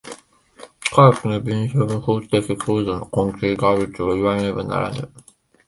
科学の弁証法的構造の根底があるといわねばならぬ。